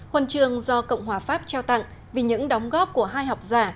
huần trường do cộng hòa pháp trao tặng vì những đóng góp của hai học giả